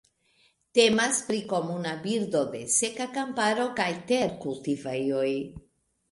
Temas pri komuna birdo de seka kamparo kaj terkultivejoj.